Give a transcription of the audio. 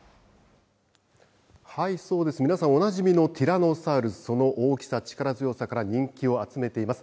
皆さんおなじみのティラノサウルス、その大きさ、力強さから人気を集めています。